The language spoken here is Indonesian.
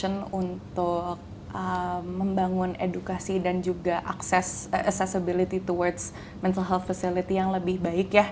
aku punya mission untuk membangun edukasi dan juga accessibility towards mental health facility yang lebih baik ya